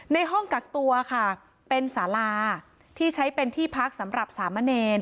ในห้องกักตัวค่ะเป็นสาราที่ใช้เป็นที่พักสำหรับสามเณร